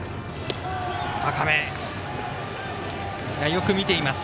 よく見ています。